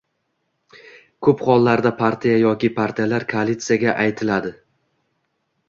ko‘p hollarda partiya yoki partiyalar koalitsiyasiga aytiladi.